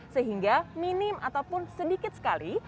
sehingga minim ataupun sedikit sekali